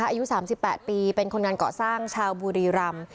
อายุ๓๘ปีเป็นคนงานเกาะสร้างชาวบุรีรำ